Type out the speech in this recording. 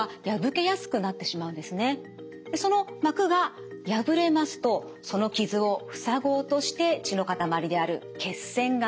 その膜が破れますとその傷を塞ごうとして血のかたまりである血栓ができます。